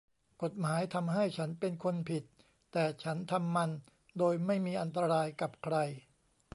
กฎหมายทำให้ฉันเป็นคนผิดแต่ฉันทำมันโดยไม่มีอันตรายกับใคร